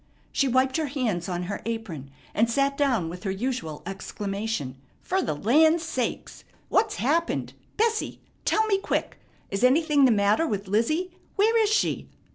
She wiped her hands on her apron, and sat down with her usual exclamation, "Fer the land sakes! What's happened? Bessie, tell me quick. Is anything the matter with Lizzie? Where is she?"